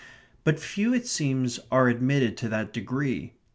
But few, it seems, are admitted to that degree.